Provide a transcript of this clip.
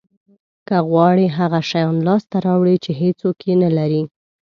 که غواړی هغه شیان لاسته راوړی چې هیڅوک یې نه لري